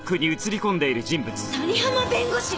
谷浜弁護士！